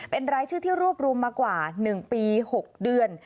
เป็นรายชื่อที่รวบรวมมากว่า๑ปี๖เดือน